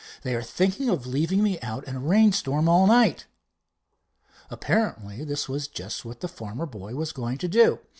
"Are they thinking of leaving me out in a rainstorm all night?" Apparently this was just what the farmer boy was going to do.